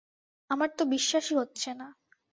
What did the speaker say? আমার তো বিশ্বাসই হচ্ছে না।